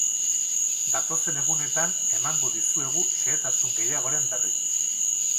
Datozen egunetan emango dizuegu xehetasun gehiagoren berri.